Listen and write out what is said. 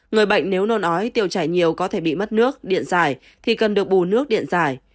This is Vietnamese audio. người bệnh nếu nôn ói tiêu chảy nhiều có thể bị mất nước điện dài thì cần được bù nước điện giải